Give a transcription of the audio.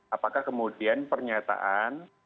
apakah kemudian pernyataan